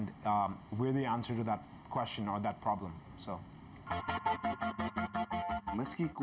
dan kita adalah jawabannya kepada pertanyaan atau masalah itu